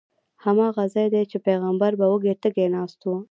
هماغه ځای دی چې پیغمبر به وږی تږی ناست و.